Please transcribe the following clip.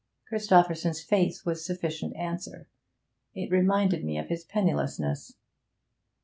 Christopherson's face was sufficient answer; it reminded me of his pennilessness.